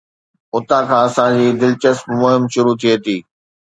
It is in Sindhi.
اتان کان اسان جي دلچسپ مهم شروع ٿئي ٿي.